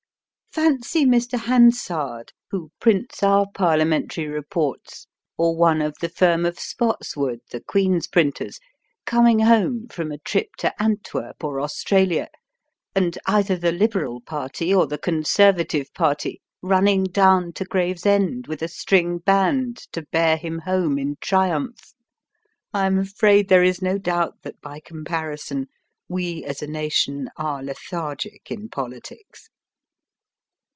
Fancy Mr. Hansard, who prints our ParUa mentary Keports, or one of the firm of Spottis woode, the Queen's printers, coming home from a trip to Antwerp or Australia, and either the Liberal party or the Conservative party running down to Gravesend with a string band to bear him home in triumph! I am afraid there is no doubt that, by comparison, we as a nation are lethargic in politics.